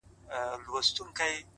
• شاعره ياره ستا قربان سمه زه،